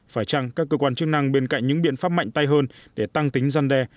phải chăng các cơ quan chức năng bên cạnh những biện pháp mạnh tay hơn để tăng tính gian đe